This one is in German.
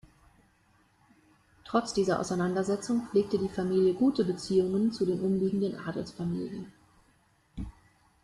Trotz dieser Auseinandersetzung pflegte die Familie gute Beziehungen zu den umliegenden Adelsfamilien.